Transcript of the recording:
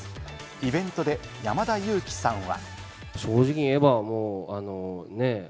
イベントで山田裕貴さんは。